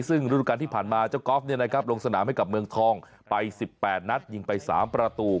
ซึ่งฤดูการที่ผ่านมาเจ้ากอล์ฟลงสนามให้กับเมืองทองไป๑๘นัดยิงไป๓ประตู